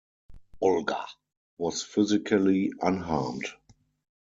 Olga was physically unharmed.